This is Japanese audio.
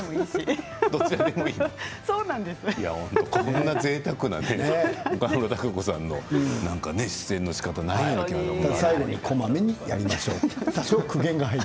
こんなぜいたくな岡村孝子さんの出演のしかたはないですよね。